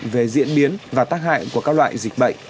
về diễn biến và tác hại của các loại dịch bệnh